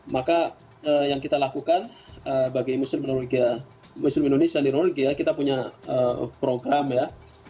maka yang kita lakukan bagi muslim di norwegia muslim indonesia di norwegia kita punya program ya